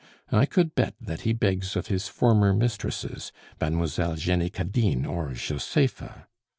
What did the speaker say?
I could bet that he begs of his former mistresses Mademoiselle Jenny Cadine or Josepha."